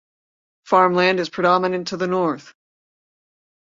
Farmland is predominant to the North.